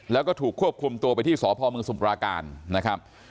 แล้วก็ถูกควบคุมตัวไปที่สพมสมุปราการนะครับ